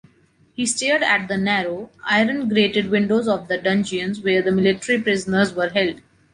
He stared at the narrow, iron-grated windows of the dungeons where the military prisoners were held.